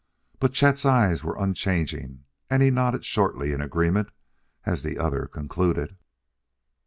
But Chet's eyes were unchanging, and he nodded shortly in agreement as the other concluded.